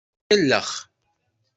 Kellex.